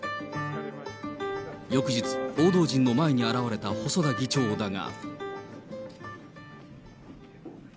翌日、報道陣の前に現れた細田議長だが。